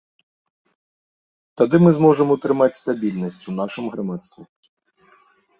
Тады мы зможам утрымаць стабільнасць у нашым грамадстве.